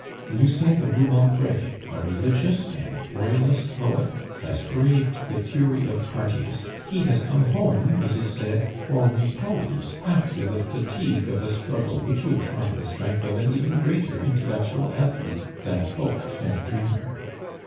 Lucien de Rubempre, a religious and Royalist poet, has braved the fury of parties; he has come home, it is said, for repose after the fatigue of a struggle which would try the strength of an even greater intellectual athlete than a poet and a dreamer.